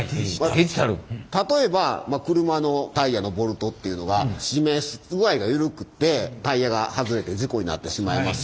例えば車のタイヤのボルトっていうのが締め具合が緩くてタイヤが外れて事故になってしまいますし。